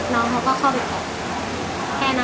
น้องเขาก็เข้าไปขอบแค่นั้นเราก็ยิ้มกลับบ้าน